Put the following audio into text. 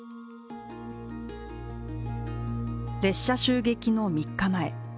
列車襲撃の３日前。